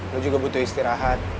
lo juga butuh istirahat